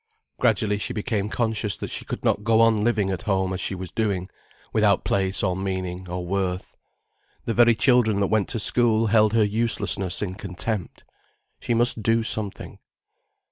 Gradually she became conscious that she could not go on living at home as she was doing, without place or meaning or worth. The very children that went to school held her uselessness in contempt. She must do something.